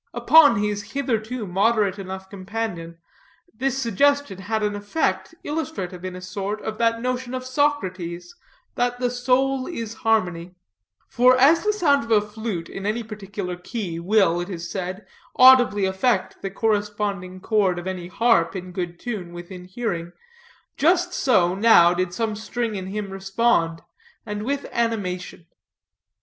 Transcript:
Upon his hitherto moderate enough companion, this suggestion had an effect illustrative in a sort of that notion of Socrates, that the soul is a harmony; for as the sound of a flute, in any particular key, will, it is said, audibly affect the corresponding chord of any harp in good tune, within hearing, just so now did some string in him respond, and with animation.